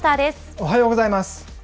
おはようございます。